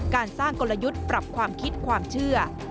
การสร้างกลยุทธ์ปรับความคิดความเชื่อ